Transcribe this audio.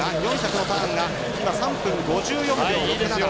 ４００のターンが３分５４秒６７。